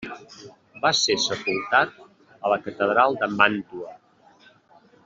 Va ser sepultat a la catedral de Màntua.